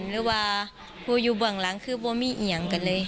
หรือว่าผู้อยู่หลังคือบ่อมี่เอียงกันเลย